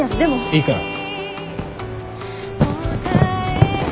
いいから。